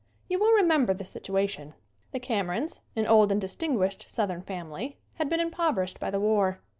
You will remember the situation. The Cam erons, an old and distinguished Southern fam ily, had been impoverished by the war.